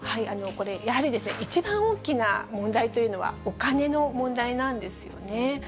これ、やはり一番大きな問題というのは、お金の問題なんですよね。